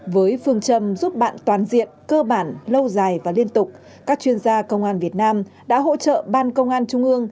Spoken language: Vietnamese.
với phương châm giúp bạn toàn diện cơ bản lâu dài và liên tục các chuyên gia công an việt nam đã hỗ trợ ban công an trung ương